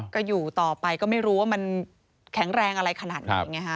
ก็อยู่ต่อไปก็ไม่รู้ว่ามันแข็งแรงอะไรขนาดไหนไงฮะ